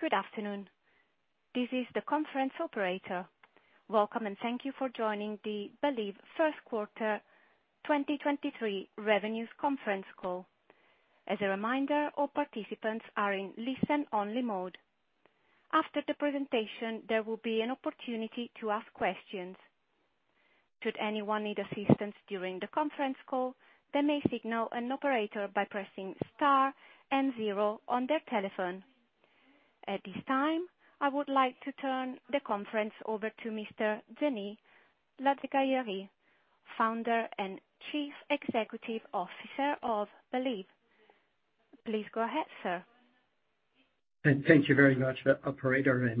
Good afternoon. This is the conference operator. Welcome, and thank you for joining the Believe First Quarter 2023 revenues conference call. As a reminder, all participants are in listen-only mode. After the presentation, there will be an opportunity to ask questions. Should anyone need assistance during the conference call, they may signal an operator by pressing star and zero on their telephone. At this time, I would like to turn the conference over to Mr. Denis Ladegaillerie, Founder and Chief Executive Officer of Believe. Please go ahead, sir. Thank you very much, operator,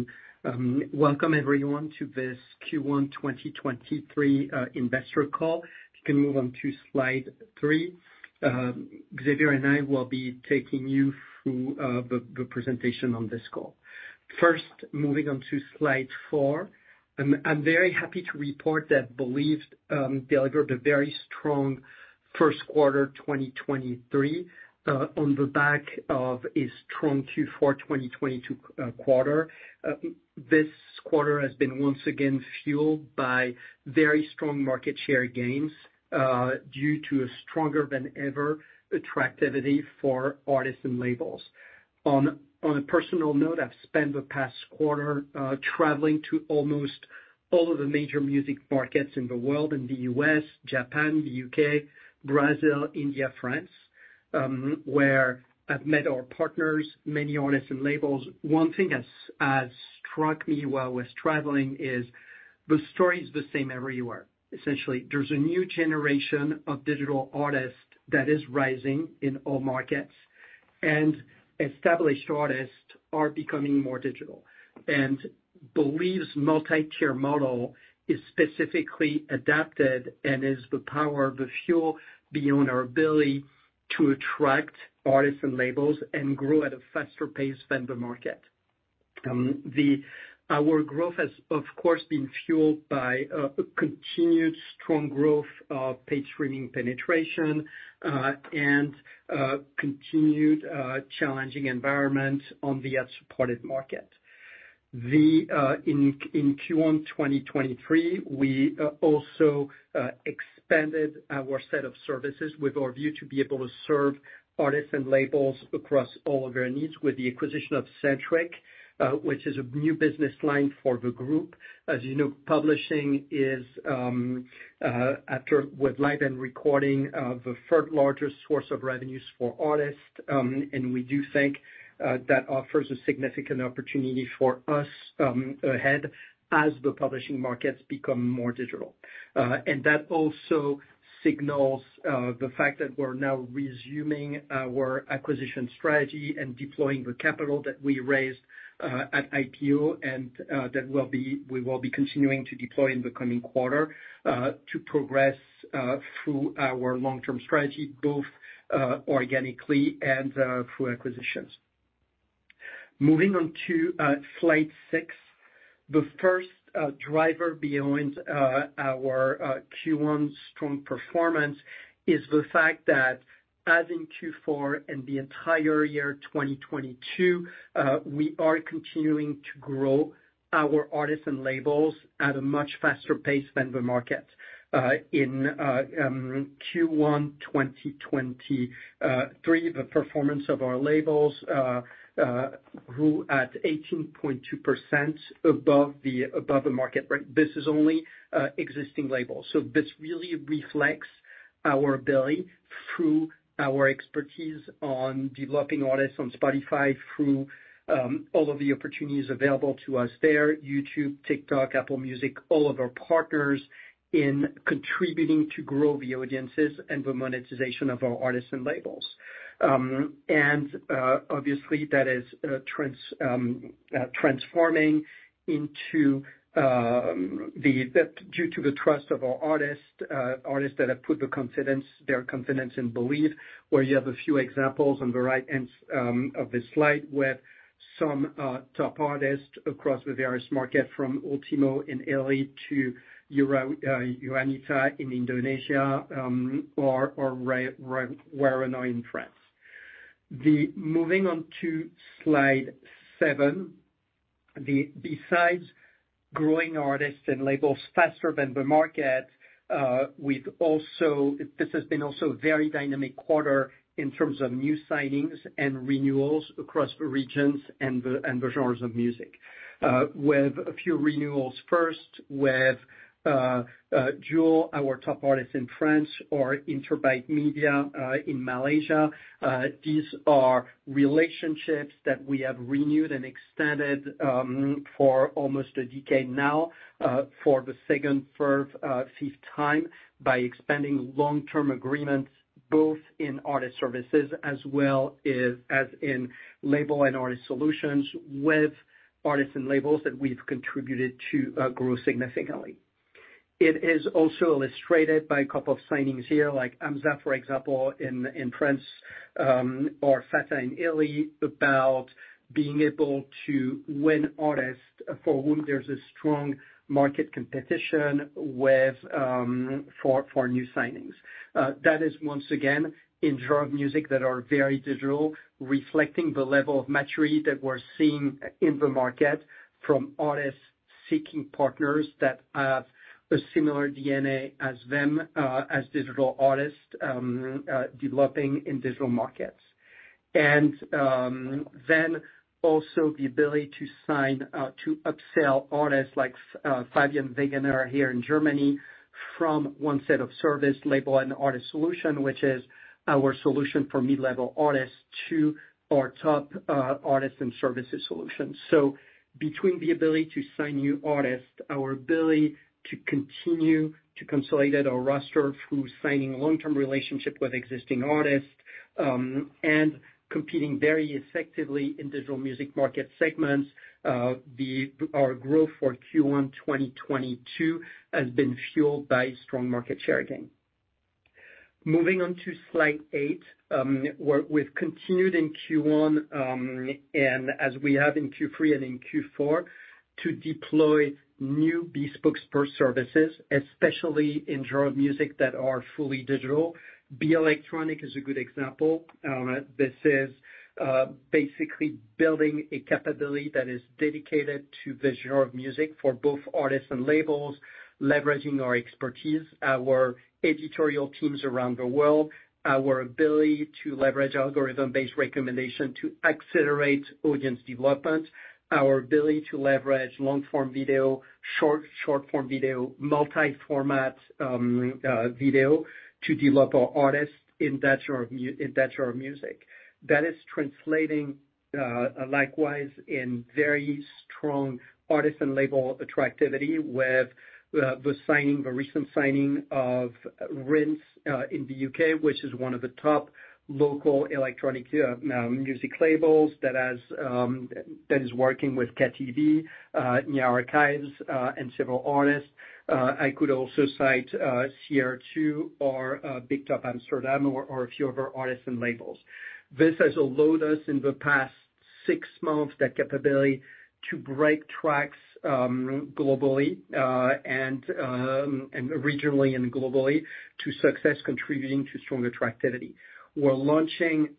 and welcome everyone to this Q1 2023 investor call. If you can move on to slide three. Xavier and I will be taking you through the presentation on this call. First, moving on to slide four, I'm very happy to report that Believe delivered a very strong first quarter 2023 on the back of a strong Q4 2022 quarter. This quarter has been once again fueled by very strong market share gains due to a stronger than ever attractivity for artists and labels. On a personal note, I've spent the past quarter traveling to almost all of the major music markets in the world, in the U.S., Japan, the U.K., Brazil, India, France, where I've met our partners, many artists and labels. One thing that's struck me while I was traveling is the story is the same everywhere. Essentially, there's a new generation of digital artists that is rising in all markets and established artists are becoming more digital. Believe's multi-tier model is specifically adapted and is the power, the fuel beyond our ability to attract artists and labels and grow at a faster pace than the market. Our growth has, of course, been fueled by a continued strong growth of paid streaming penetration and continued challenging environment on the ad-supported market. In Q1 2023, we also expanded our set of services with our view to be able to serve artists and labels across all of their needs with the acquisition of Sentric, which is a new business line for the group. As you know, publishing is with live and recording the third largest source of revenues for artists, and we do think that offers a significant opportunity for us ahead as the publishing markets become more digital. That also signals the fact that we're now resuming our acquisition strategy and deploying the capital that we raised at IPO and that we will be continuing to deploy in the coming quarter to progress through our long-term strategy both organically and through acquisitions. Moving on to slide six. The first driver behind our Q1 strong performance is the fact that as in Q4 and the entire year 2022, we are continuing to grow our artists and labels at a much faster pace than the market. In Q1 2023, the performance of our labels grew at 18.2% above the market rate. This is only existing labels. This really reflects our ability through our expertise on developing artists on Spotify through all of the opportunities available to us there, YouTube, TikTok, Apple Music, all of our partners in contributing to grow the audiences and the monetization of our artists and labels. And obviously, that is transforming into that due to the trust of our artists that have put their confidence in Believe, where you have a few examples on the right end of this slide with some top artists across the various market, from Ultimo in Italy to Yura Yunita in Indonesia, or Renaud in France. Moving on to slide seven. Besides growing artists and labels faster than the market, this has been also a very dynamic quarter in terms of new signings and renewals across the regions and the genres of music. With a few renewals first with JUL, our top artist in France or Interbyte Media, in Malaysia. These are relationships that we have renewed and extended for almost a decade now, for the second, third, fifth time by expanding long-term agreements, both in Artist Services as well as in Label and Artist Solutions with artists and labels that we've contributed to grow significantly. It is also illustrated by a couple of signings here, like Hamza, for example, in France, or Fasma in Italy, about being able to win artists for whom there's a strong market competition with for new signings. That is once again in genre of music that are very digital, reflecting the level of maturity that we're seeing in the market from artists seeking partners that have a similar DNA as them, as digital artists, developing in digital markets. Then also the ability to sign to upsell artists like Fabian Wegerer here in Germany from one set of service, Label and Artist Solutions, which is our solution for mid-level artists, to our top Artist Services solutions. Between the ability to sign new artists, our ability to continue to consolidate our roster through signing long-term relationship with existing artists, and competing very effectively in digital music market segments, our growth for Q1 2022 has been fueled by strong market share gain. Moving on to slide 8. We've continued in Q1, and as we have in Q3 and in Q4, to deploy new bespoke spur services, especially in genre music that are fully digital. Be Electronic is a good example. This is basically building a capability that is dedicated to the genre of music for both artists and labels, leveraging our expertise, our editorial teams around the world, our ability to leverage algorithm-based recommendation to accelerate audience development, our ability to leverage long-form video, short-form video, multi-format video to develop our artists in that genre of music. That is translating likewise in very strong artist and label attractivity with the signing, the recent signing of Rinse in the U.K., which is one of the top local electronic music labels that is working with Katy B in our archives and several artists. I could also cite Cr2 or Big Top Amsterdam or a few of our artists and labels. This has allowed us in the past six months, the capability to break tracks, globally, and regionally and globally to success, contributing to strong attractivity. We're launching,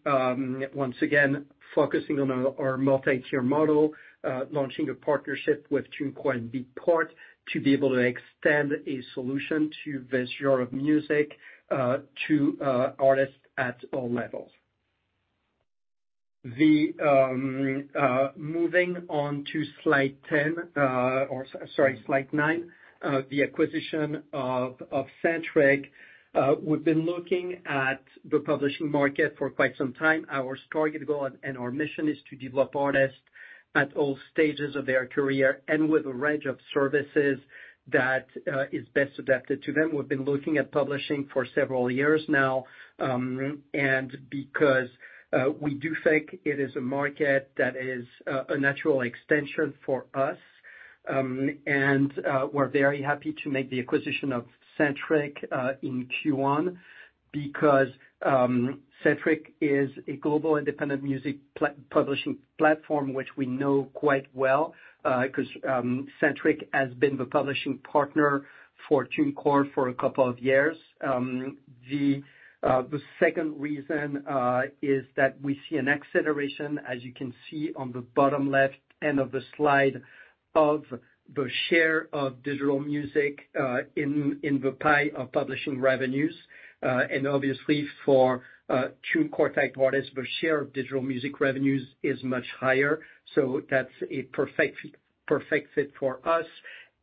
once again, focusing on our multi-tier model, launching a partnership with TuneCore and Beatport to be able to extend a solution to the genre of music, to artists at all levels. Moving on to slide 10, or sorry, slide nine. The acquisition of Sentric. We've been looking at the publishing market for quite some time. Our strategic goal and our mission is to develop artists at all stages of their career and with a range of services that is best adapted to them. We've been looking at publishing for several years now. Because we do think it is a market that is a natural extension for us, we're very happy to make the acquisition of Sentric in Q1 because Sentric is a global independent music publishing platform which we know quite well. 'Cause Sentric has been the publishing partner for TuneCore for a couple of years. The second reason is that we see an acceleration, as you can see on the bottom left end of the slide, of the share of digital music in the pie of publishing revenues. Obviously for TuneCore type artists, the share of digital music revenues is much higher. That's a perfect fit for us.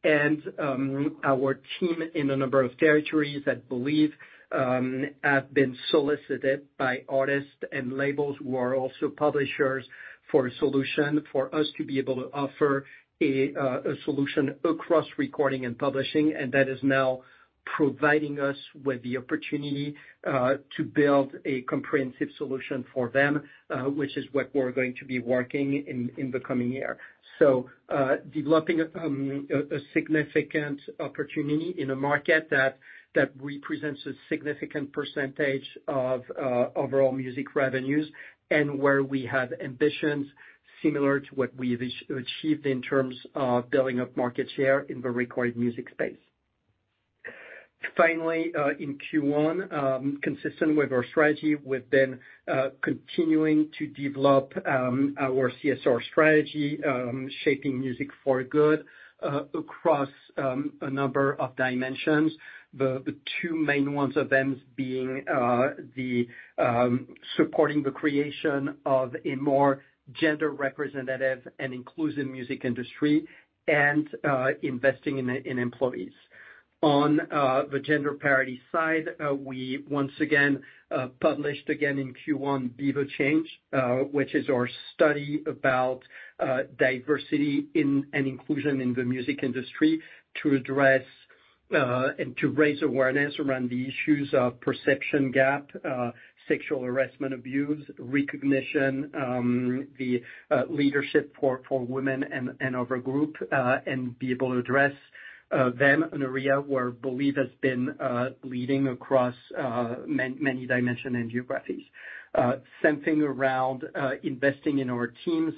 Our team in a number of territories, Believe, have been solicited by artists and labels who are also publishers for a solution for us to be able to offer a solution acr oss recording and publishing. That is now providing us with the opportunity to build a comprehensive solution for them, which is what we're going to be working in the coming year. Developing a significant opportunity in a market that represents a significant percentage of overall music revenues, and where we have ambitions similar to what we've achieved in terms of building up market share in the recorded music space. Finally, in Q1, consistent with our strategy, we've been continuing to develop our CSR strategy, Shaping Music for Good, across a number of dimensions. The two main ones of them being the supporting the creation of a more gender representative and inclusive music industry and investing in employees. On the gender parity side, we once again published again in Q1 Be The Change, which is our study about diversity in and inclusion in the music industry to address and to raise awareness around the issues of perception gap, sexual harassment, abuse, recognition, the leadership for women and of our group and be able to address them in an area where Believe has been leading across many dimension and geographies. Something around investing in our teams,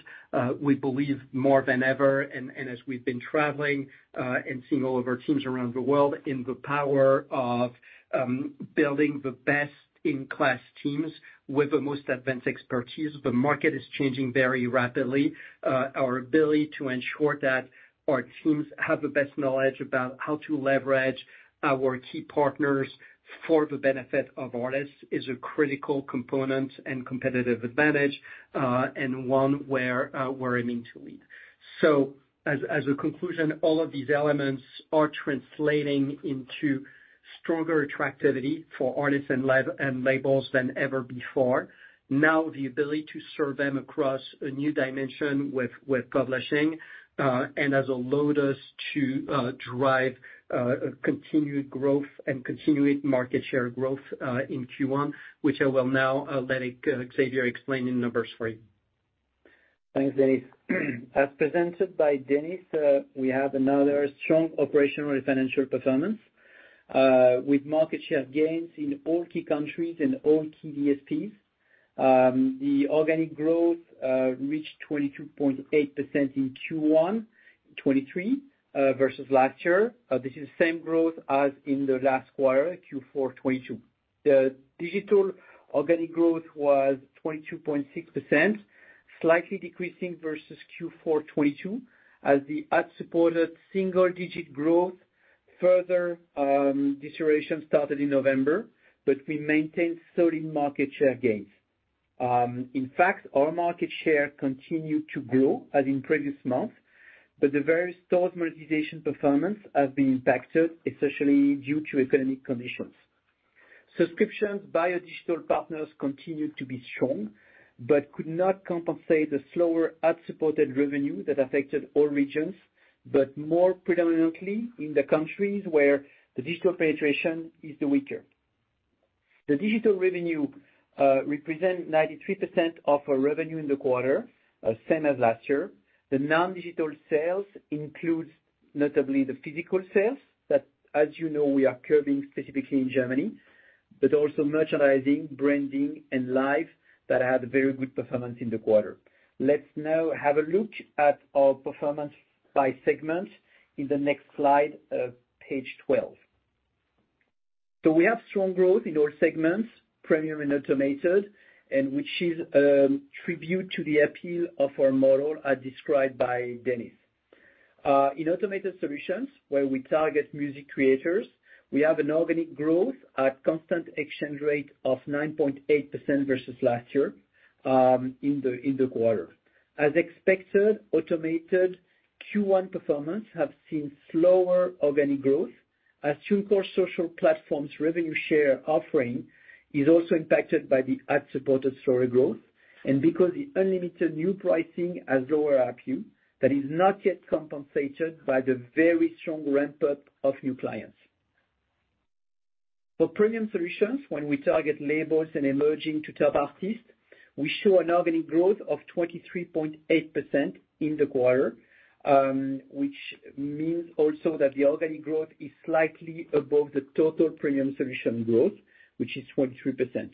we believe more than ever, and as we've been traveling and seeing all of our teams around the world, in the power of building the best-in-class teams with the most advanced expertise. The market is changing very rapidly. Our ability to ensure that our teams have the best knowledge about how to leverage our key partners for the benefit of artists is a critical component and competitive advantage, and one where we're aiming to lead. As a conclusion, all of these elements are translating into stronger attractivity for artists and labels than ever before. The ability to serve them across a new dimension with publishing, and as allowed us to drive continued growth and continued market share growth in Q1, which I will now let Xavier explain in numbers for you. Thanks, Denis. As presented by Denis, we have another strong operational and financial performance with market share gains in all key countries and all key DSPs. The organic growth reached 22.8% in Q1 2023 versus last year. This is the same growth as in the last quarter, Q4 2022. The digital organic growth was 22.6%, slightly decreasing versus Q4 2022 as the ad-supported single digit growth further deterioration started in November, but we maintained solid market share gains. In fact, our market share continued to grow as in previous months, but the various stores' monetization performance have been impacted, especially due to economic conditions. Subscriptions via digital partners continued to be strong, but could not compensate the slower ad-supported revenue that affected all regions, but more predominantly in the countries where the digital penetration is the weaker. The digital revenue represent 93% of our revenue in the quarter, same as last year. The non-digital sales includes notably the physical sales that, as you know, we are curbing specifically in Germany, but also merchandising, branding and live that had a very good performance in the quarter. Let's now have a look at our performance by segment in the next slide, page 12. We have strong growth in all segments, premium and automated, and which is tribute to the appeal of our model as described by Denis. In Automated Solutions, where we target music creators, we have an organic growth at constant exchange rate of 9.8% versus last year in the quarter. As expected, Automated Q1 performance have seen slower organic growth as TuneCore Social Platforms revenue share offering is also impacted by the ad-supported slower growth. Because the unlimited new pricing has lower ARPU, that is not yet compensated by the very strong ramp-up of new clients. For Premium Solutions, when we target labels and emerging to top artists, we show an organic growth of 23.8% in the quarter, which means also that the organic growth is slightly above the total Premium Solutions growth, which is 23%.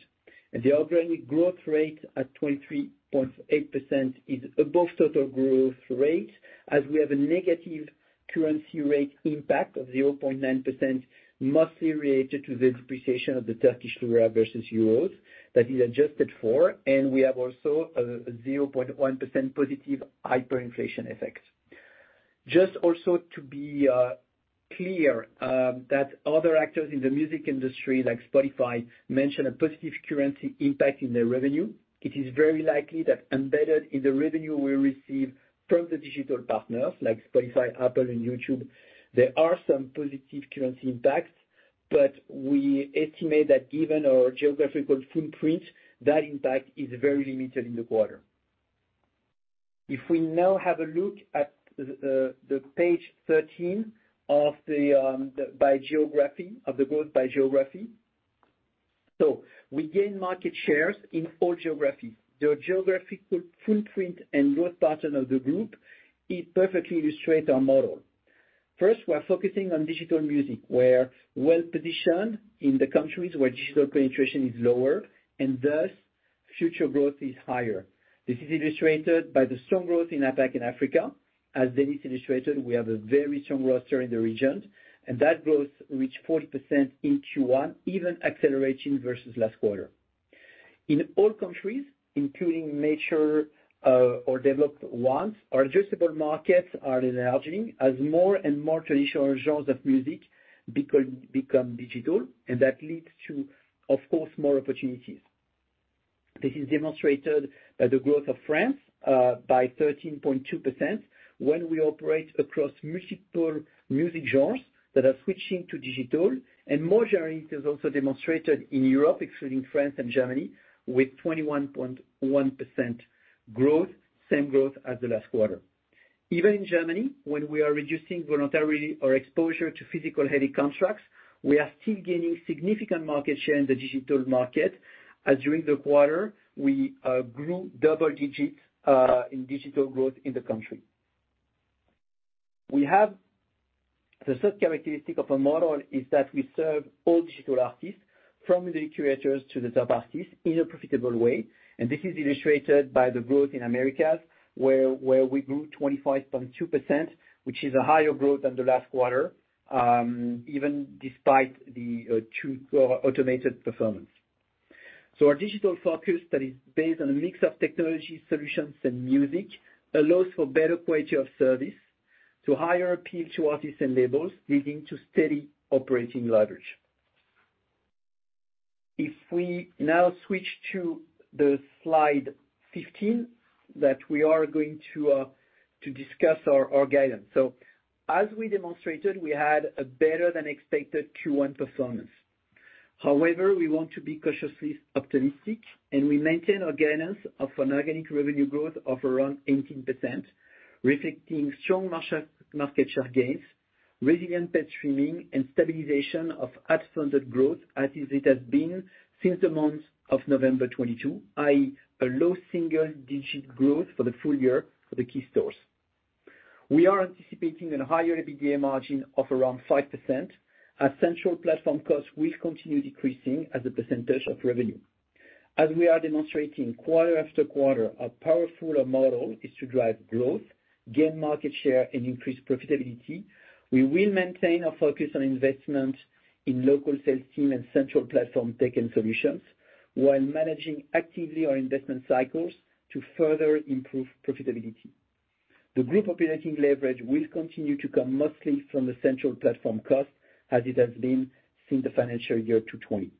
The organic growth rate at 23.8% is above total growth rate, as we have a negative currency rate impact of 0.9%, mostly related to the depreciation of the Turkish lira versus euros that is adjusted for, and we have also a 0.1% positive hyperinflation effect. Just also to be clear that other actors in the music industry, like Spotify, mention a positive currency impact in their revenue. It is very likely that embedded in the revenue we receive from the digital partners like Spotify, Apple and YouTube, there are some positive currency impacts. We estimate that given our geographical footprint, that impact is very limited in the quarter. If we now have a look at page 13 of the growth by geography. We gain market shares in all geographies. The geographical footprint and growth pattern of the group is perfectly illustrate our model. First, we're focusing on digital music, we're well-positioned in the countries where digital penetration is lower and thus future growth is higher. This is illustrated by the strong growth in APAC and Africa. As Denis illustrated, we have a very strong roster in the region, and that growth reached 40% in Q1, even accelerating versus last quarter. In all countries, including mature or developed ones, our addressable markets are enlarging as more and more traditional genres of music become digital, and that leads to, of course, more opportunities. This is demonstrated by the growth of France, by 13.2% when we operate across multiple music genres that are switching to digital. More genres is also demonstrated in Europe, excluding France and Germany, with 21.1% growth, same growth as the last quarter. In Germany, when we are reducing voluntarily our exposure to physical heavy contracts, we are still gaining significant market share in the digital market, as during the quarter we grew double digits in digital growth in the country. The third characteristic of our model is that we serve all digital artists, from the curators to the top artists, in a profitable way. This is illustrated by the growth in Americas, where we grew 25.2%, which is a higher growth than the last quarter, even despite the true automated performance. Our digital focus that is based on a mix of technology solutions and music allows for better quality of service to higher appeal to artists and labels, leading to steady operating leverage. If we now switch to the slide 15, that we are going to discuss our guidance. As we demonstrated, we had a better than expected Q1 performance. However, we want to be cautiously optimistic, and we maintain our guidance of an organic revenue growth of around 18%, reflecting strong market share gains, resilient paid streaming and stabilization of ad-supported growth as it has been since the month of November 2022, i.e. A low single-digit growth for the full year for the key stores. We are anticipating a higher EBITDA margin of around 5% as Central Platform costs will continue decreasing as a percentage of revenue. As we are demonstrating quarter after quarter, our powerful model is to drive growth, gain market share and increase profitability. We will maintain our focus on investment in local sales team and Central Platform tech and solutions, while managing actively our investment cycles to further improve profitability. The group operating leverage will continue to come mostly from the Central Platform costs as it has been since the financial year 2020.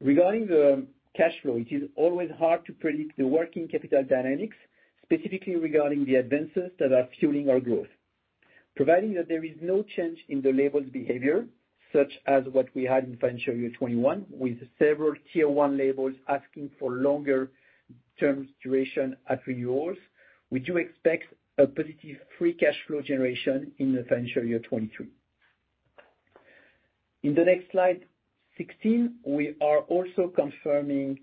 Regarding the cash flow, it is always hard to predict the working capital dynamics, specifically regarding the advances that are fueling our growth. Providing that there is no change in the labels' behavior such as what we had in financial year 2021 with several Tier 1 labels asking for longer terms duration at renewals, we do expect a positive free cash flow generation in the financial year 2023. In the next slide 16, we are also confirming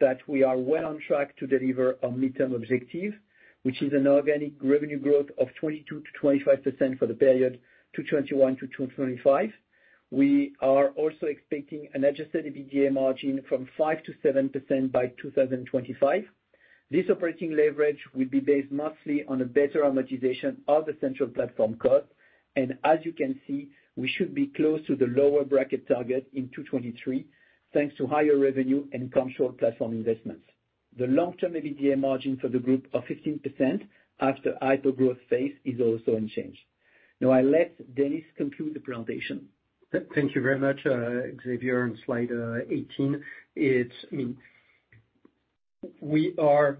that we are well on track to deliver our midterm objective, which is an organic revenue growth of 22%-25% for the period 2021 to 2025. We are also expecting an Adjusted EBITDA margin from 5%-7% by 2025. This operating leverage will be based mostly on a better amortization of the Central Platform cost. As you can see, we should be close to the lower bracket target in 2023, thanks to higher revenue and controlled platform investments. The long term EBITDA margin for the group of 15% after hyper growth phase is also unchanged. I let Denis conclude the presentation. Thank you very much, Xavier. On slide 18, I mean, we are,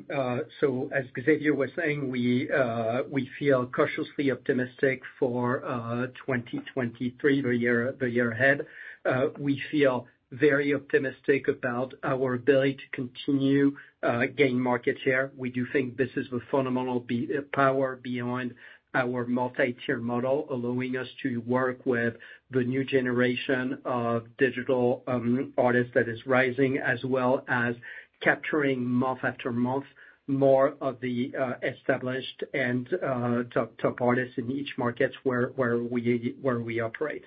so as Xavier was saying, we feel cautiously optimistic for 2023, the year ahead. We feel very optimistic about our ability to continue gain market share. We do think this is the fundamental power beyond our multi-tier model, allowing us to work with the new generation of digital artists that is rising, as well as capturing month after month, more of the established and top artists in each markets where we operate.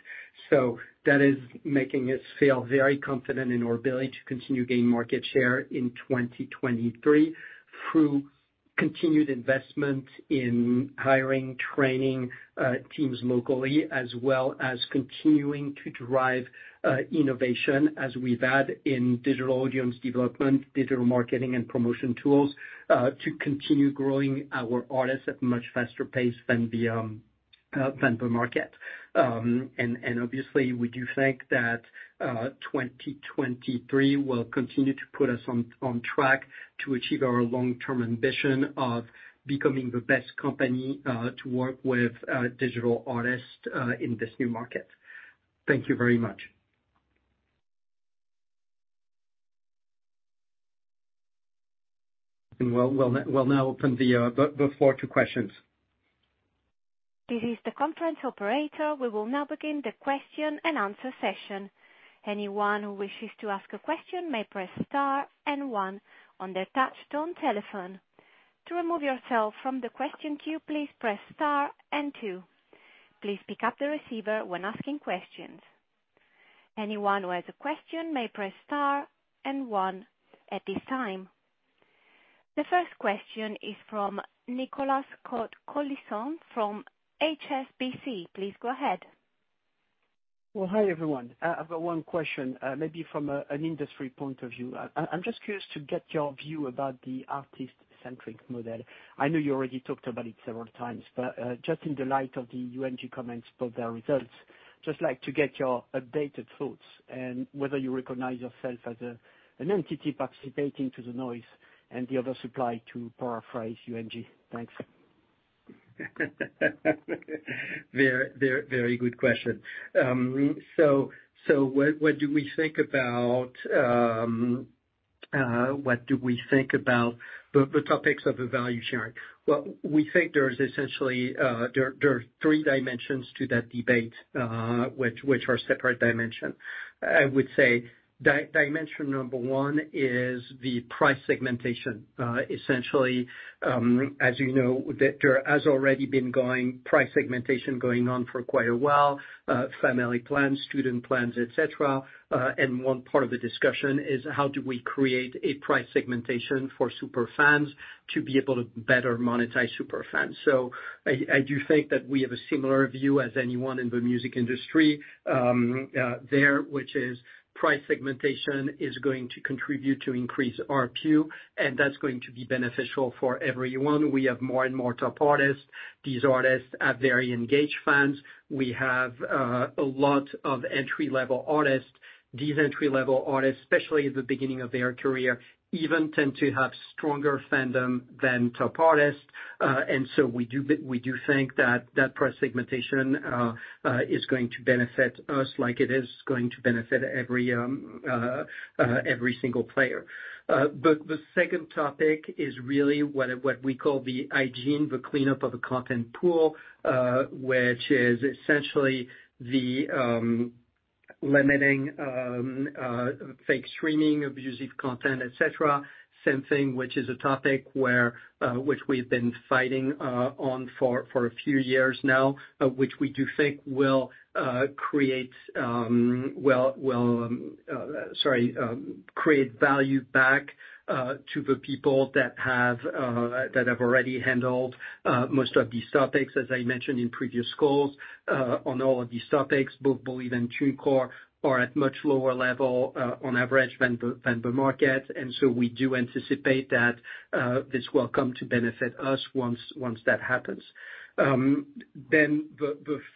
That is making us feel very confident in our ability to continue gain market share in 2023 through continued investment in hiring, training, teams locally, as well as continuing to drive innovation as we've had in digital audience development, digital marketing and promotion tools, to continue growing our artists at a much faster pace than the market. And obviously, we do think that 2023 will continue to put us on track to achieve our long-term ambition of becoming the best company to work with digital artists in this new market. Thank you very much. We'll now open the floor to questions. This is the conference operator. We will now begin the question and answer session. Anyone who wishes to ask a question may press star one on their touchtone telephone. To remove yourself from the question queue, please press star two. Please pick up the receiver when asking questions. Anyone who has a question may press star one at this time. The first question is from Nicolas Cote-Colisson from HSBC. Please go ahead. Well, hi, everyone. I've got one question, maybe from an industry point of view. I'm just curious to get your view about the artist-centric model. I know you already talked about it several times, but just in the light of the UMG comments about their results, just like to get your updated thoughts and whether you recognize yourself as an entity participating to the noise and the other supply, to paraphrase UMG. Thanks. Very good question. What do we think about the topics of the value sharing? Well, we think there's essentially there are three dimensions to that debate, which are separate dimension. I would say dimension number one is the price segmentation. Essentially, as you know, there has already been price segmentation going on for quite a while, family plans, student plans, et cetera. One part of the discussion is how do we create a price segmentation for super fans to be able to better monetize super fans. I do think that we have a similar view as anyone in the music industry there, which is price segmentation is going to contribute to increased ARPU, and that's going to be beneficial for everyone. We have more and more top artists. These artists have very engaged fans. We have a lot of entry-level artists. These entry-level artists, especially at the beginning of their career, even tend to have stronger fandom than top artists. We do think that that price segmentation is going to benefit us like it is going to benefit every single player. The second topic is really what we call the hygiene, the cleanup of a content pool, which is essentially limiting fake streaming, abusive content, et cetera. Same thing, which is a topic where which we've been fighting on for a few years now, which we do think will create value back to the people that have already handled most of these topics, as I mentioned in previous calls. On all of these topics, both Believe and TuneCore are at much lower level on average than the market. We do anticipate that this will come to benefit us once that happens. The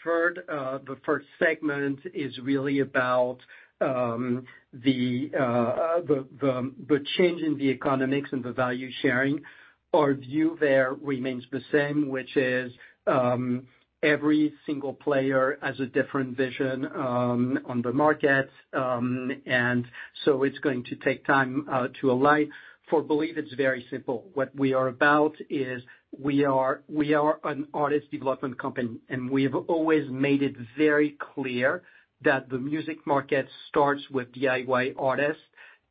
third segment is really about the change in the economics and the value sharing. Our view there remains the same, which is, every single player has a different vision on the market. It's going to take time to align. For Believe, it's very simple. What we are about is we are an artist development company, and we've always made it very clear that the music market starts with DIY artists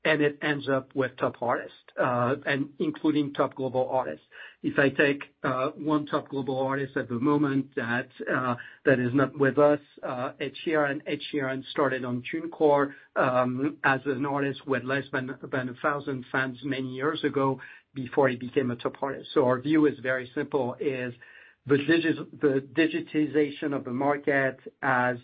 and it ends up with top artists, and including top global artists. If I take one top global artist at the moment that is not with us, Ed Sheeran. Ed Sheeran started on TuneCore as an artist with less than 1,000 fans many years ago before he became a top artist. Our view is very simple, is the digitization of the market as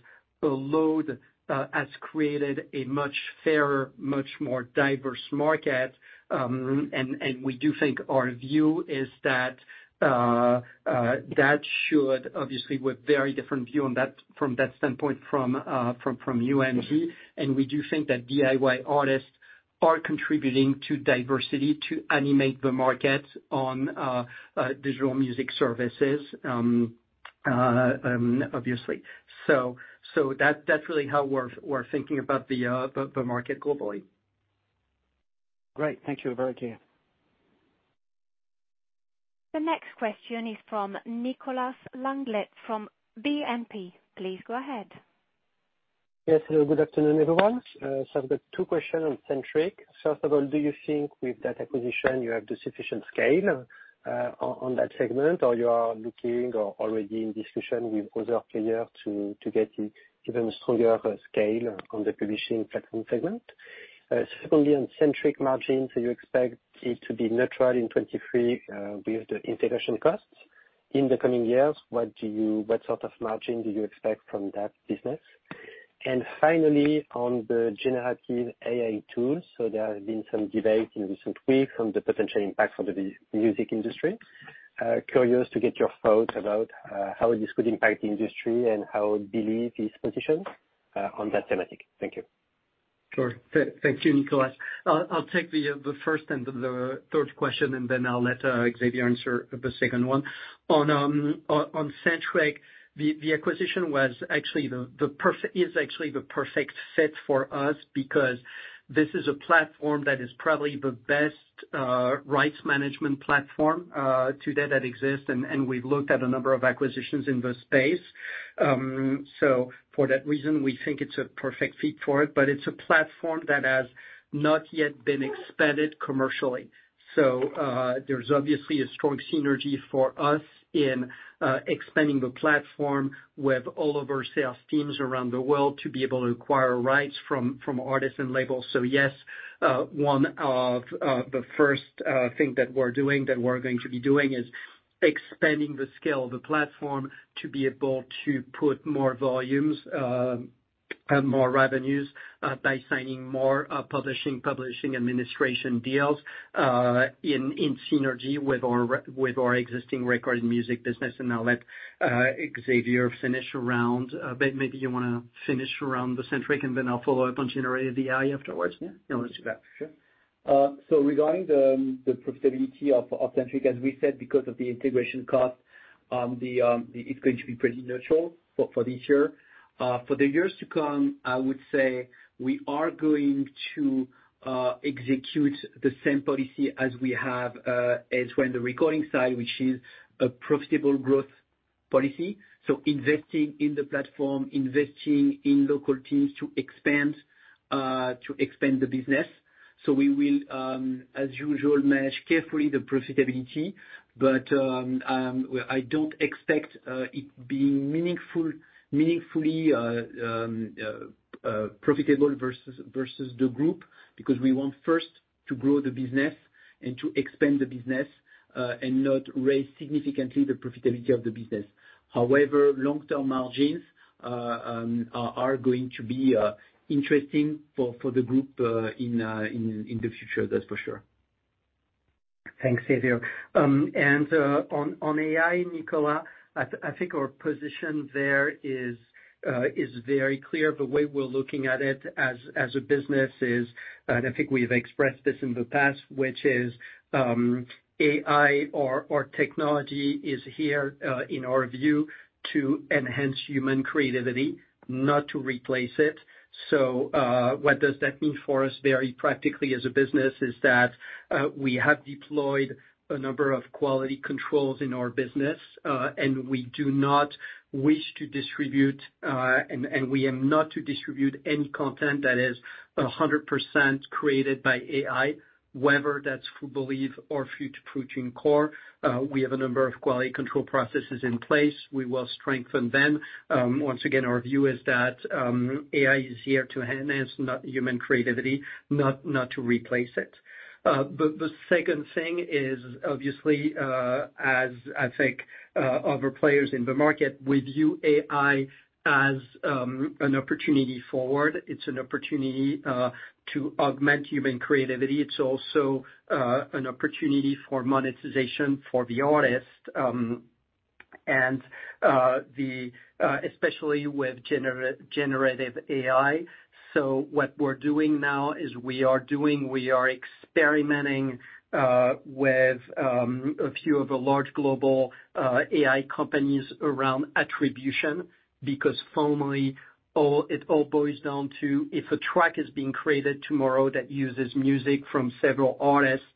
the load has created a much fairer, much more diverse market. We do think our view is that that should obviously with very different view on that from that standpoint, from UMG. We do think that DIY artists are contributing to diversity to animate the market on digital music services, obviously. That's really how we're thinking about the market globally. Great. Thank you very clear. The next question is from Nicolas Langlet from BNP. Please go ahead. Yes, hello, good afternoon, everyone. I've got two questions on Sentric. First of all, do you think with that acquisition you have the sufficient scale on that segment, or you are looking or already in discussion with other players to get even stronger scale on the publishing platform segment? Secondly, on Sentric margins, you expect it to be neutral in 23 with the integration costs. In the coming years, what sort of margin do you expect from that business? Finally, on the generative AI tools, there has been some debate in recent weeks on the potential impact on the music industry. Curious to get your thoughts about how this could impact the industry and how Believe is positioned on that thematic. Thank you. Sure. Thank you, Nicolas. I'll take the first and the third question, and then I'll let Xavier answer the second one. On Sentric, the acquisition was actually the perfect is actually the perfect fit for us because this is a platform that is probably the best rights management platform to date, that exists. And we've looked at a number of acquisitions in this space. For that reason, we think it's a perfect fit for it, but it's a platform that has not yet been expanded commercially. There's obviously a strong synergy for us in expanding the platform with all of our sales teams around the world to be able to acquire rights from artists and labels. Yes, one of the first thing that we're doing, that we're going to be doing is expanding the scale of the platform to be able to put more volumes and more revenues by signing more publishing administration deals in synergy with our existing recorded music business. I'll let Xavier finish around. Maybe you want to finish around the Sentric, then I'll follow up on generative AI afterwards. Yeah. Let's do that. Sure. So regarding the profitability of Sentric, as we said, because of the integration cost, it's going to be pretty neutral for this year. For the years to come, I would say we are going to execute the same policy as we have as when the recording side, which is a profitable growth policy. Investing in the platform, investing in local teams to expand the business. We will, as usual, manage carefully the profitability. I don't expect it being meaningfully profitable versus the group, because we want first to grow the business and to expand the business and not raise significantly the profitability of the business. Long-term margins are going to be interesting for the group in the future. That's for sure. Thanks, Xavier. On AI, Nicolas, I think our position there is very clear. The way we're looking at it as a business is, and I think we've expressed this in the past, which is AI or technology is here, in our view, to enhance human creativity, not to replace it. What does that mean for us very practically as a business is that we have deployed a number of quality controls in our business. We do not wish to distribute, and we aim not to distribute any content that is 100% created by AI, whether that's we Believe our future TuneCore. We have a number of quality control processes in place. We will strengthen them. Once again, our view is that AI is here to enhance human creativity, not to replace it. The second thing is obviously, as I think other players in the market view AI as an opportunity forward, it's an opportunity to augment human creativity. It's also an opportunity for monetization for the artist, especially with generative AI. So what we're doing now is we are doing, we are experimenting with a few of the large global AI companies around attribution, because formally it all boils down to if a track is being created tomorrow that uses music from several artists,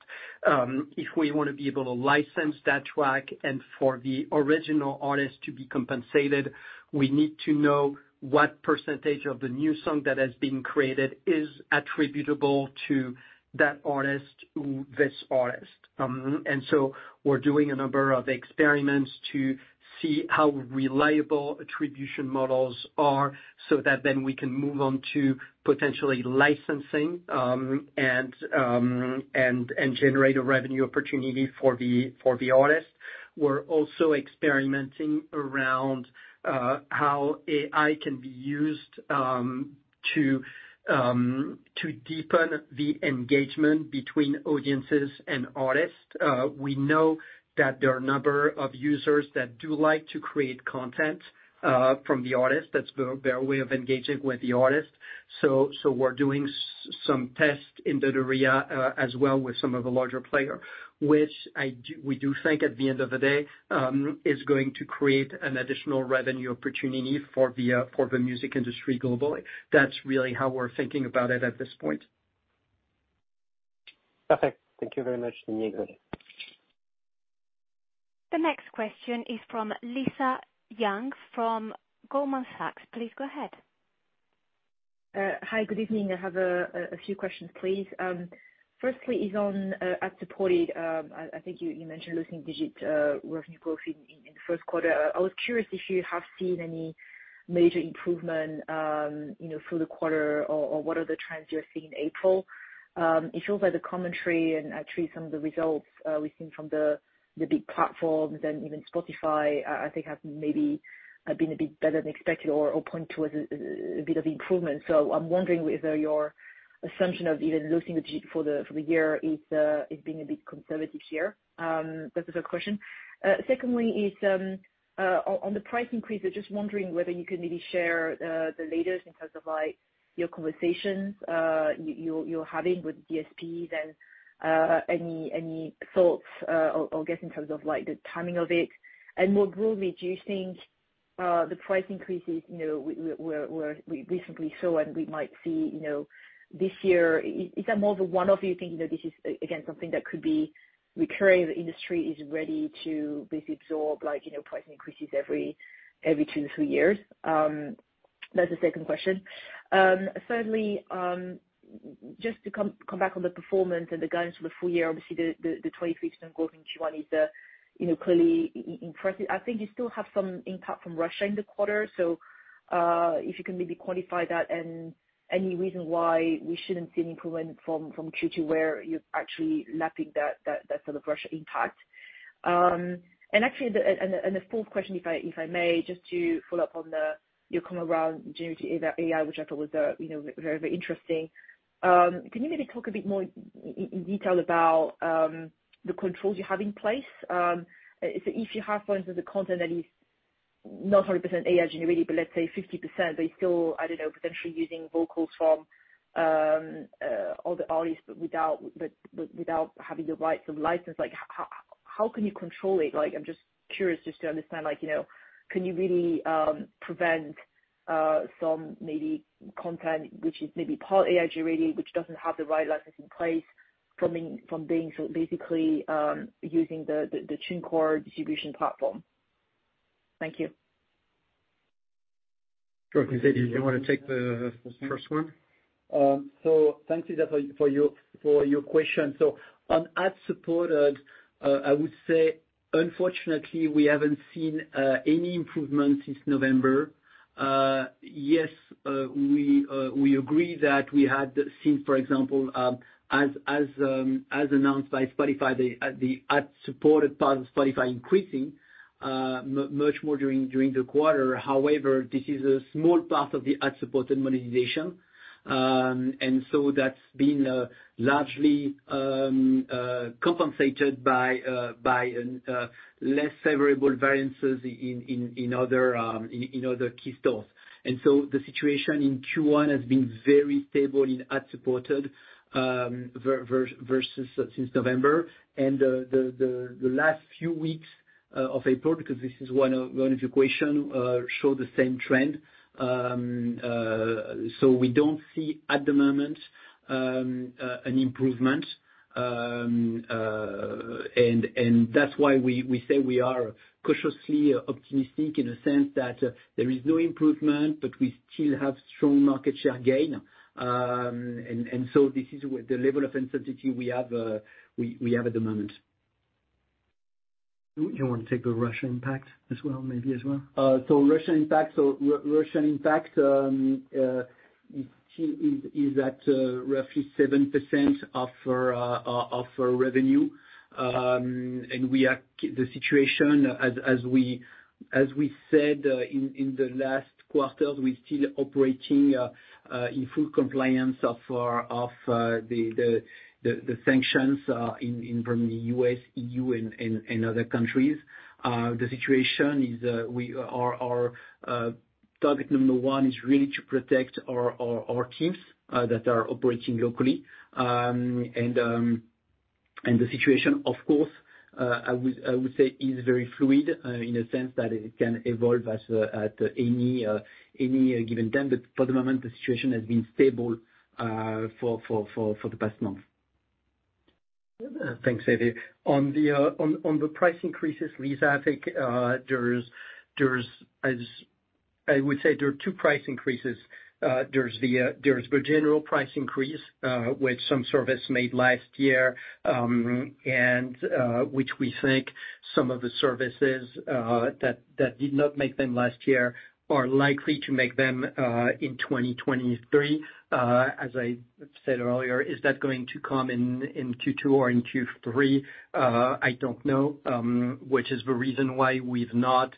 if we wanna be able to license that track and for the original artist to be compensated, we need to know what percentage of the new song that has been created is attributable to that artist, this artist. We're doing a number of experiments to see how reliable attribution models are, so that then we can move on to potentially licensing, and generate a revenue opportunity for the, for the artist. We're also experimenting around how AI can be used to deepen the engagement between audiences and artists. We know that there are a number of users that do like to create content from the artist. That's their way of engaging with the artist. We're doing some tests in that area as well with some of the larger player, which we do think at the end of the day is going to create an additional revenue opportunity for the music industry globally. That's really how we're thinking about it at this point. Perfect. Thank you very much, Denis. The next question is from Lisa Yang from Goldman Sachs. Please go ahead. Hi. Good evening. I have a few questions, please. Firstly is on ad-supported. I think you mentioned losing digit revenue growth in the first quarter. I was curious if you have seen any major improvement, you know, through the quarter or what are the trends you are seeing in April. It shows by the commentary and actually some of the results we've seen from the big platforms and even Spotify, I think have maybe been a bit better than expected or point towards a bit of improvement. I'm wondering whether your assumption of even losing the G for the year is being a bit conservative here. That's the first question. Secondly is on the price increase. I'm just wondering whether you can maybe share the latest in terms of like your conversations, you're having with DSPs and any thoughts or I guess in terms of like the timing of it. More broadly, do you think the price increases, you know, we recently saw and we might see, you know, this year, is that more of a one-off? Do you think, you know, this is again something that could be recurring, the industry is ready to basically absorb like, you know, price increases every two to thee years? That's the second question. Thirdly, just to come back on the performance and the guidance for the full year, obviously the 23% growth in Q1 is, you know, clearly impressive. I think you still have some impact from Russia in the quarter. If you can maybe quantify that and any reason why we shouldn't see an improvement from Q2 where you're actually lapping that sort of Russia impact? Actually the fourth question if I, if I may, just to follow up on your comment around generative AI, which I thought was, you know, very, very interesting. Can you maybe talk a bit more in detail about the controls you have in place? So if you have, for instance, the content that is not 100% AI generated, but let's say 50%, but it's still, I don't know, potentially using vocals from other artists but without having the rights of license, like how can you control it? Like, I'm just curious just to understand like, you know, can you really prevent some maybe content which is maybe part AI generated which doesn't have the right license in place from being so basically, using the TuneCore distribution platform? Thank you. Sure. Xavier, do you wanna take the first one? Thanks Lisa for your question. On ad-supported. I would say unfortunately, we haven't seen any improvement since November. Yes, we agree that we had seen, for example, as announced by Spotify, the ad-supported part of Spotify increasing much more during the quarter. This is a small part of the ad-supported monetization. That's been largely compensated by less favorable variances in other key stores. The situation in Q1 has been very stable in ad-supported versus since November and the last few weeks of April, because this is one of your question, show the same trend. We don't see at the moment an improvement. That's why we say we are cautiously optimistic in a sense that there is no improvement, but we still have strong market share gain. This is what the level of uncertainty we have, we have at the moment. Do you wanna take the Russia impact as well, maybe as well? Russia impact is at roughly 7% of our revenue. The situation as we said in the last quarters, we're still operating in full compliance of our of the sanctions from the U.S., EU and other countries. The situation is we are target number one is really to protect our teams that are operating locally. The situation, of course, I would say is very fluid in a sense that it can evolve at any given time. For the moment, the situation has been stable for the past month. Thanks, Xavier. On the price increases, Lisa, I think I would say there are two price increases. There's the general price increase which some service made last year, and which we think some of the services that did not make them last year are likely to make them in 2023. As I said earlier, is that going to come in Q2 or in Q3? I don't know, which is the reason why we've not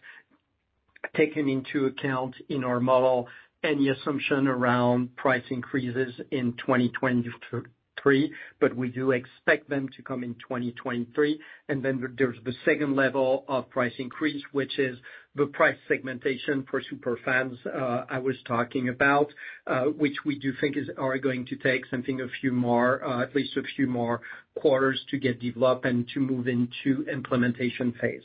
taken into account in our model any assumption around price increases in 2023, but we do expect them to come in 2023. There's the second level of price increase, which is the price segmentation for super fans I was talking about, which we do think are going to take something a few more at least a few more quarters to get developed and to move into implementation phase.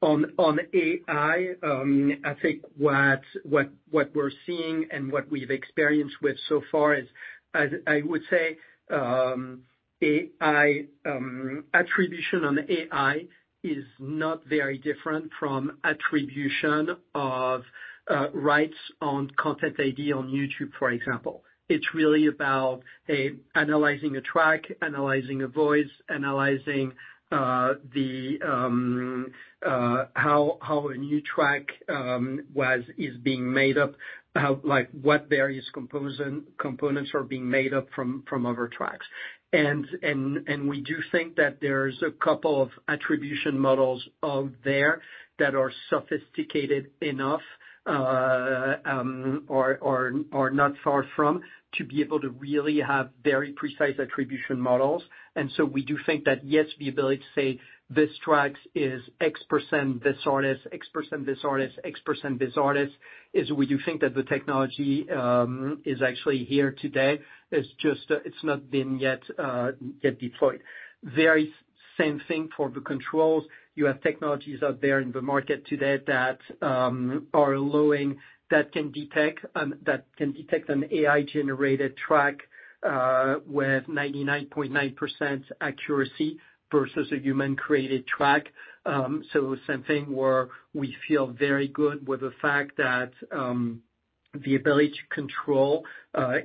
On AI, I think what we're seeing and what we've experienced with so far is, as I would say, AI attribution on AI is not very different from attribution of rights on Content ID on YouTube, for example. It's really about analyzing a track, analyzing a voice, analyzing the how a new track is being made up, how, like, what various components are being made up from other tracks. We do think that there's a couple of attribution models out there that are sophisticated enough, or not far from, to be able to really have very precise attribution models. We do think that, yes, the ability to say this track is X% this artist, X% this artist, X% this artist, is we do think that the technology is actually here today. It's just, it's not been yet deployed. Very same thing for the controls. You have technologies out there in the market today that can detect an AI-generated track with 99.9% accuracy versus a human-created track. Same thing where we feel very good with the fact that the ability to control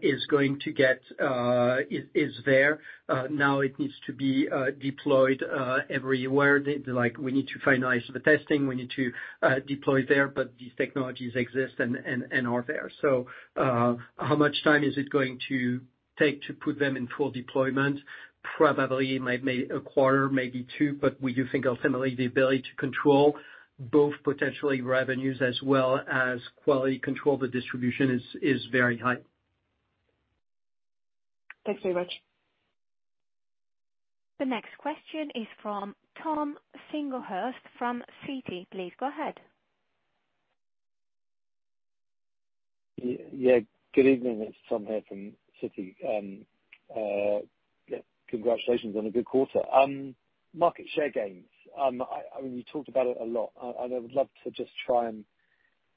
is going to get is there. Now it needs to be deployed everywhere. Like, we need to finalize the testing, we need to deploy there, but these technologies exist and are there. How much time is it going to take to put them in full deployment? Probably a quarter, maybe two, but we do think ultimately the ability to control both potentially revenues as well as quality control of the distribution is very high. Thanks very much. The next question is from Tom Singlehurst from Citi. Please go ahead. Good evening. It's Tom here from Citi. Yeah, congratulations on a good quarter. Market share gains. I mean, you talked about it a lot. I would love to just try and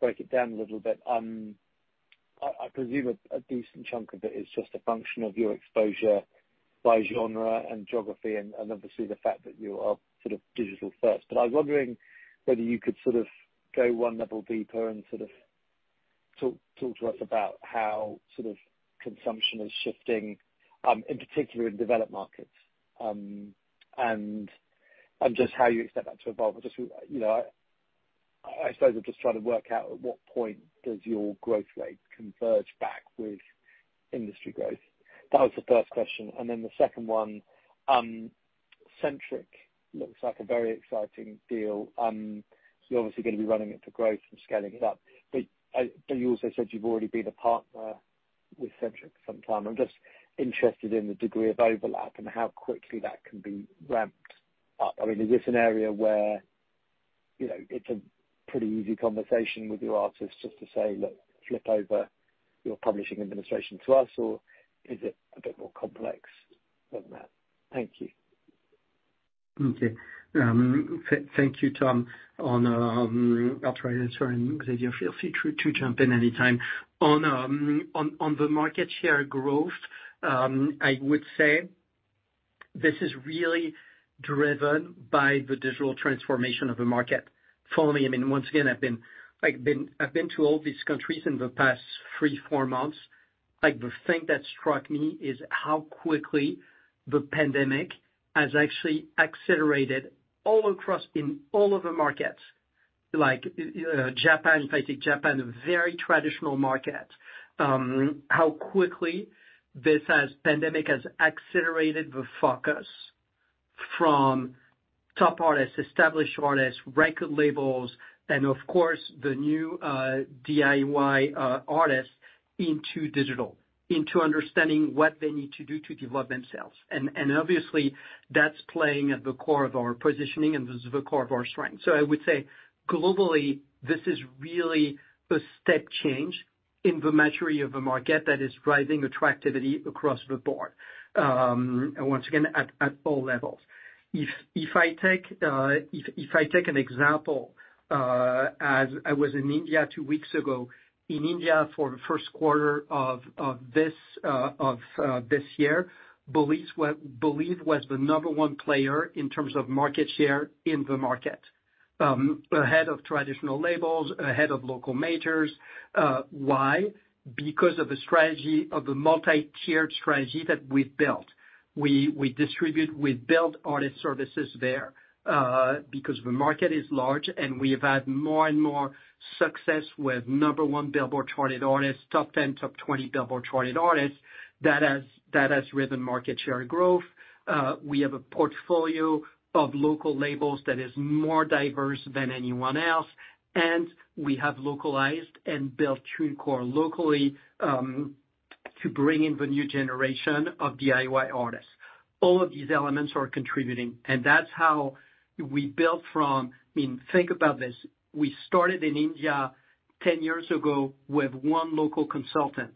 break it down a little bit. I presume a decent chunk of it is just a function of your exposure by genre and geography and obviously the fact that you are sort of digital first. I was wondering whether you could sort of go one level deeper. Talk to us about how sort of consumption is shifting in particular in developed markets, and just how you expect that to evolve. Just so you know, I suppose I'm just trying to work out at what point does your growth rate converge back with industry growth? That was the first question. The second one, Sentric looks like a very exciting deal. You're obviously gonna be running it for growth and scaling it up. You also said you've already been a partner with Sentric for some time. I'm just interested in the degree of overlap and how quickly that can be ramped up. I mean, is this an area where, you know, it's a pretty easy conversation with your artists just to say, "Look, flip over your publishing administration to us," or is it a bit more complex than that? Thank you. Thank you, Tom. I'll try to answer and Xavier feel free to jump in anytime. The market share growth, I would say this is really driven by the digital transformation of the market. For me, I mean, once again, I've been to all these countries in the past three, four months. The thing that struck me is how quickly the pandemic has actually accelerated all across in all of the markets, like Japan. If I take Japan, a very traditional market, how quickly this pandemic has accelerated the focus from top artists, established artists, record labels, and of course, the new DIY artists into digital, into understanding what they need to do to develop themselves. Obviously, that's playing at the core of our positioning, and this is the core of our strength. I would say globally, this is really a step change in the maturity of the market that is driving attractivity across the board. Once again at all levels. If I take an example, as I was in India two weeks ago, in India for the first quarter of this year, Believe was the number one player in terms of market share in the market, ahead of traditional labels, ahead of local majors. Why? Because of the strategy, of the multi-tiered strategy that we've built. We distribute, we build Artist Services there, because the market is large. We have had more and more success with number 1 Billboard charted artists, top 10, top 20 Billboard charted artists. That has driven market share growth. We have a portfolio of local labels that is more diverse than anyone else. We have localized and built TuneCore locally to bring in the new generation of DIY artists. All of these elements are contributing, that's how we built from I mean, think about this. We started in India 10 years ago with one local consultant.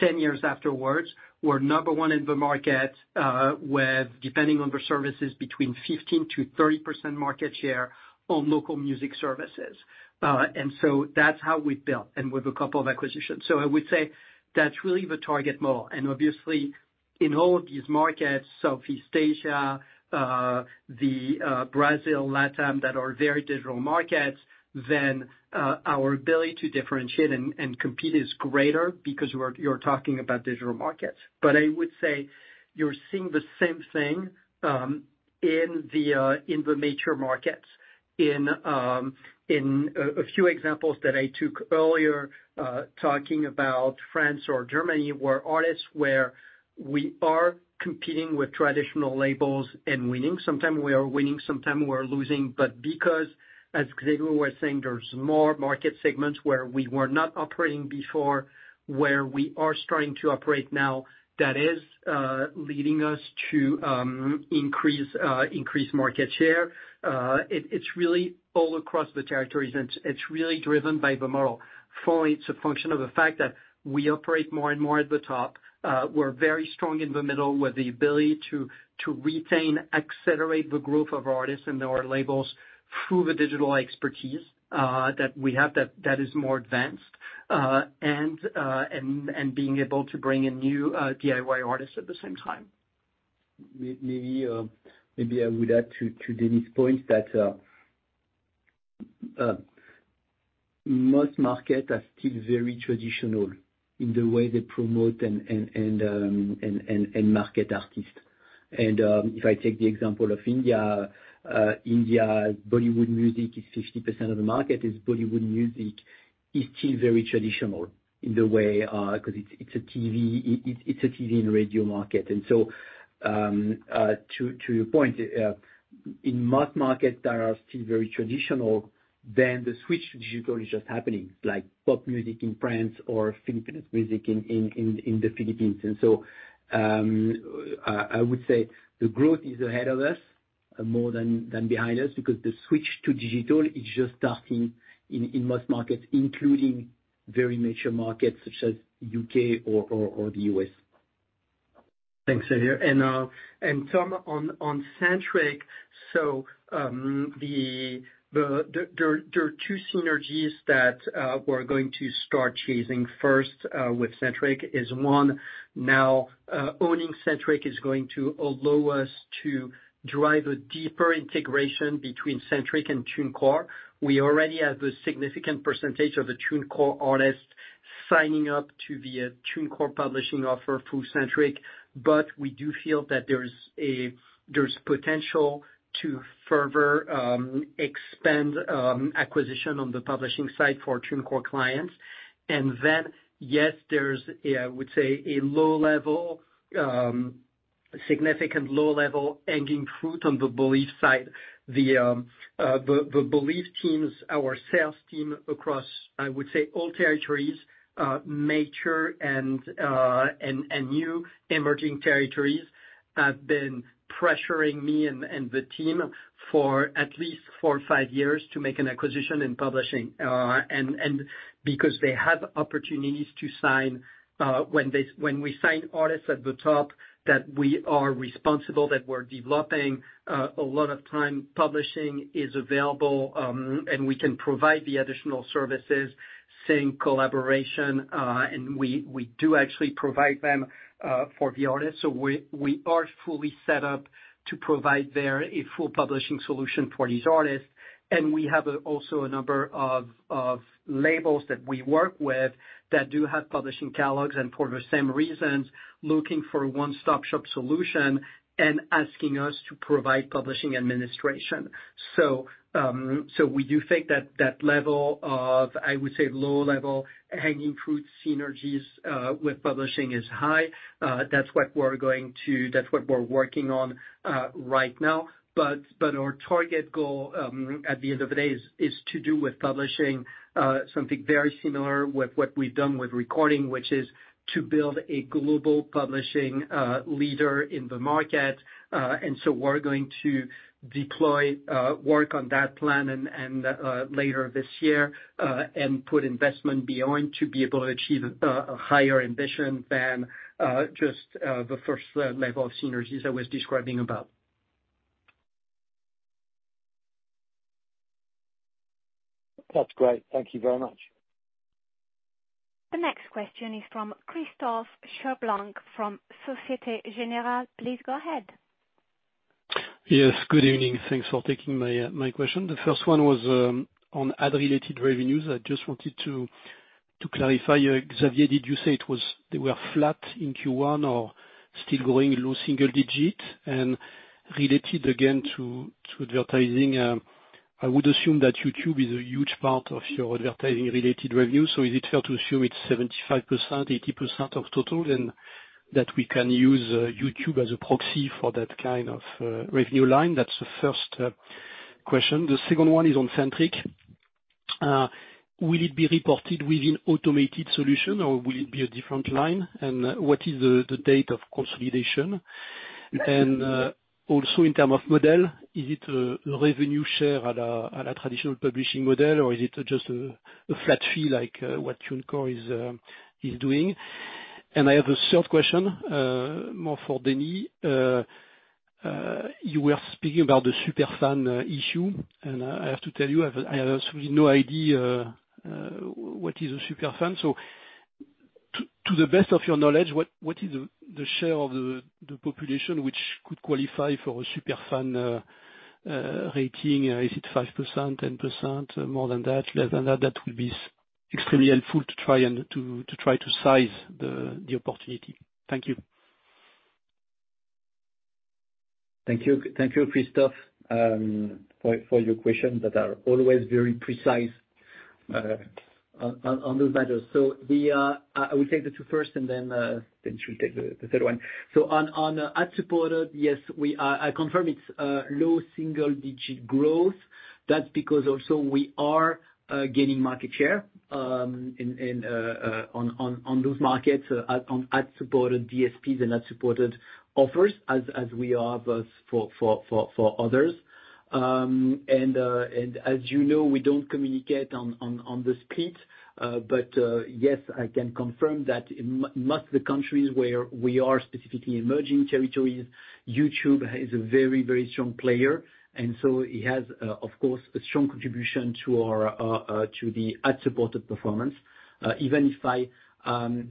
10 years afterwards, we're number one in the market with, depending on the services, between 15%-30% market share on local music services. That's how we've built and with a couple of acquisitions. I would say that's really the target model. Obviously in all of these markets, Southeast Asia, the Brazil, LatAm, that are very digital markets, then our ability to differentiate and compete is greater because you're talking about digital markets. I would say you're seeing the same thing in the major markets. In a few examples that I took earlier, talking about France or Germany, where artists where we are competing with traditional labels and winning. Sometime we are winning, sometime we're losing. Because, as Xavier was saying, there's more market segments where we were not operating before, where we are starting to operate now, that is leading us to increase market share. It's really all across the territories, and it's really driven by the model. It's a function of the fact that we operate more and more at the top. We're very strong in the middle, with the ability to retain, accelerate the growth of our artists and our labels through the digital expertise that we have that is more advanced, and being able to bring in new DIY artists at the same time. Maybe I would add to Denis point that most markets are still very traditional in the way they promote and market artists. If I take the example of India's Bollywood music is 50% of the market. It's Bollywood music is still very traditional in the way 'cause it's a TV and radio market. To your point, in most markets that are still very traditional, then the switch to digital is just happening, like pop music in France or Filipino music in the Philippines. I would say the growth is ahead of us more than behind us because the switch to digital is just starting in most markets, including very mature markets such as U.K. or the U.S. Thanks, Xavier. Tom, on Sentric. There are two synergies that we're going to start chasing first with Sentric is, one, now owning Sentric is going to allow us to drive a deeper integration between Sentric and TuneCore. We already have a significant percentage of the TuneCore artists-Signing up to the TuneCore publishing offer through Sentric, we do feel that there's potential to further expand acquisition on the publishing side for TuneCore clients. Yes, there's, I would say, a significant low-level hanging fruit on the Believe side. The Believe teams, our sales team across, I would say all territories, major and new emerging territories, have been pressuring me and the team for at least four or five years to make an acquisition in publishing. Because they have opportunities to sign, when we sign artists at the top that we are responsible, that we're developing, a lot of time publishing is available, and we can provide the additional services, sync collaboration, and we do actually provide them for the artists. We are fully set up to provide a full publishing solution for these artists. We have also a number of labels that we work with that do have publishing catalogs, and for the same reasons, looking for a one-stop shop solution and asking us to provide publishing administration. We do think that that level of, I would say, low-level hanging fruit synergies with publishing is high. That's what we're working on right now. Our target goal at the end of the day is to do with publishing something very similar with what we've done with recording, which is to build a global publishing leader in the market. We're going to deploy, work on that plan and later this year, and put investment behind to be able to achieve a higher ambition than just the first level of synergies I was describing about. That's great. Thank you very much. The next question is from Christophe Cherblanc from Société Générale. Please go ahead. Yes. Good evening. Thanks for taking my question. The first one was on ad-related revenues. I just wanted to clarify, Xavier, did you say they were flat in Q1 or still growing low single digit? Related again to advertising, I would assume that YouTube is a huge part of your advertising-related revenue. Is it fair to assume it's 75%, 80% of total, and that we can use YouTube as a proxy for that kind of revenue line? That's the first question. The second one is on Sentric. Will it be reported within Automated Solutions, or will it be a different line? What is the date of consolidation? Also in term of model, is it a revenue share at a traditional publishing model, or is it just a flat fee like what TuneCore is doing? I have a third question more for Denis. You were speaking about the super fan issue. I have to tell you, I have absolutely no idea what is a super fan. To the best of your knowledge, what is the share of the population which could qualify for a super fan rating? Is it 5%, 10%, more than that, less than that? That would be extremely helpful to try and to try to size the opportunity. Thank you. Thank you. Thank you, Christophe, for your questions that are always very precise on those matters. I will take the two first and Denis will take the third one. On ad-supported, yes, I confirm it's low single digit growth. That's because also we are gaining market share in those markets on ad-supported DSPs and ad-supported offers, as we are both for others. As you know, we don't communicate on the split. Yes, I can confirm that in most of the countries where we are, specifically emerging territories, YouTube is a very strong player. It has, of course, a strong contribution to our to the ad-supported performance. Even if I,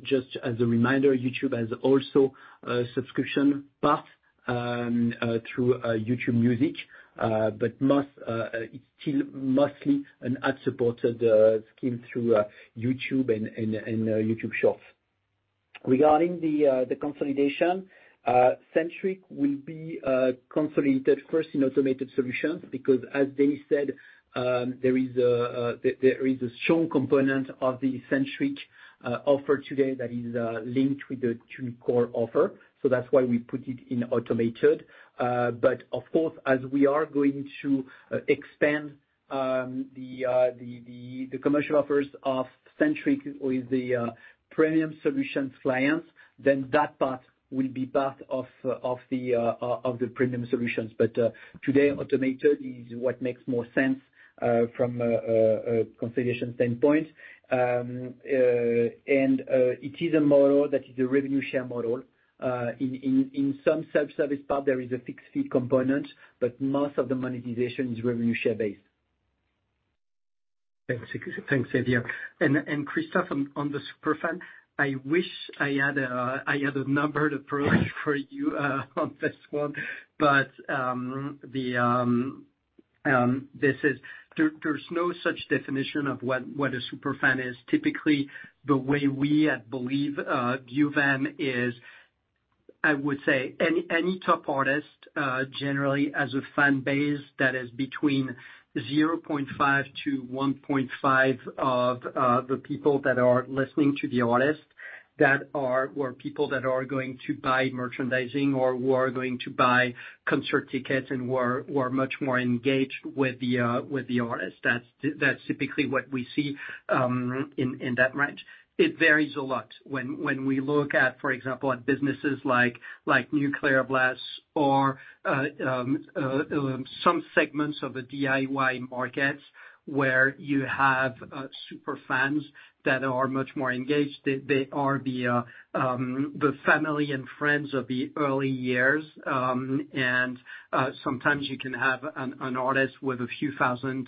just as a reminder, YouTube has also a subscription path through YouTube Music. But most, it's still mostly an ad-supported scheme through YouTube and YouTube Shopping. Regarding the consolidation, Sentric will be consolidated first in Automated Solutions, because as Denis said, there is a strong component of the Sentric offer today that is linked with the TuneCore offer. That's why we put it in Automated Solutions. Of course, as we are going to expand the commercial offers of Sentric with the Premium Solutions clients, then that part will be part of the Premium Solutions. Today, Automated is what makes more sense from a consolidation standpoint. It is a model that is a revenue share model. In some self-service part, there is a fixed fee component, but most of the monetization is revenue share based. Thanks. Thanks, Xavier. Christophe, on the super fan, I wish I had a numbered approach for you, on this one, but the there's no such definition of what a super fan is. Typically, the way we at Believe view them is, I would say any top artist generally has a fan base that is between 0.5 to 1.5 of the people that are listening to the artist that are or people that are going to buy merchandising or who are going to buy concert tickets and who are much more engaged with the artist. That's typically what we see in that range. It varies a lot. When we look at, for example, at businesses like Nuclear Blast or some segments of the DIY markets where you have super fans that are much more engaged. They are the family and friends of the early years. Sometimes you can have an artist with a few thousand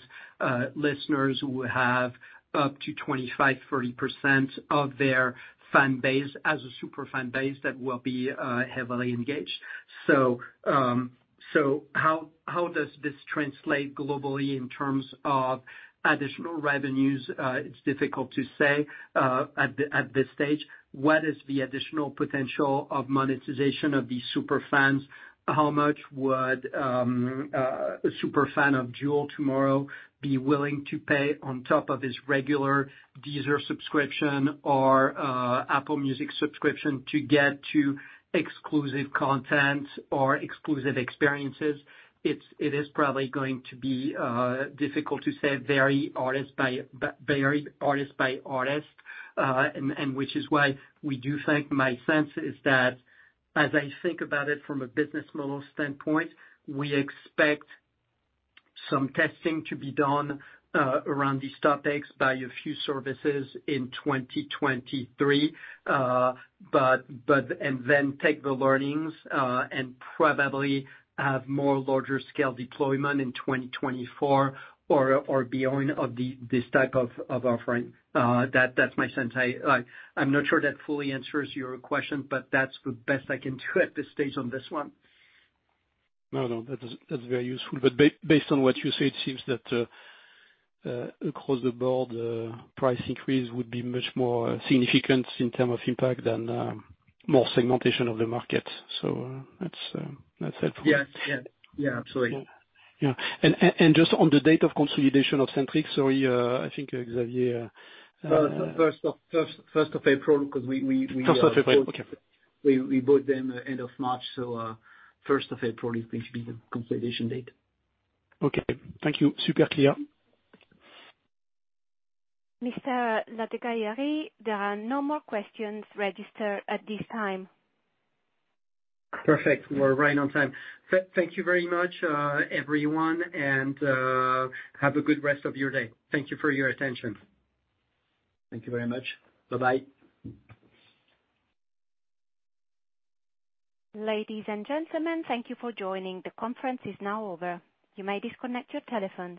listeners who have up to 25, 30% of their fan base as a super fan base that will be heavily engaged. How does this translate globally in terms of additional revenues? It's difficult to say at this stage. What is the additional potential of monetization of these super fans? How much would a super fan of JUL tomorrow be willing to pay on top of his regular Deezer subscription or Apple Music subscription to get to exclusive content or exclusive experiences? It is probably going to be difficult to say, vary artist by artist. Which is why we do think my sense is that as I think about it from a business model standpoint, we expect some testing to be done around these topics by a few services in 2023. Take the learnings and probably have more larger scale deployment in 2024 or beyond of this type of offering. That's my sense. I'm not sure that fully answers your question, but that's the best I can do at this stage on this one. No, that is, that's very useful. Based on what you say, it seems that across the board, price increase would be much more significant in terms of impact than more segmentation of the market. That's helpful. Yes. Yeah. Yeah, absolutely. Yeah. Just on the date of consolidation of Sentric, sorry, I think Xavier. First of, first of April, 'cause we. First of April. Okay. We bought them end of March, so, first of April is going to be the consolidation date. Okay. Thank you. Super clear. Mr. Ladegaillerie, there are no more questions registered at this time. Perfect. We're right on time. Thank you very much, everyone. Have a good rest of your day. Thank you for your attention. Thank you very much. Bye-bye. Ladies and gentlemen, thank you for joining. The conference is now over. You may disconnect your telephones.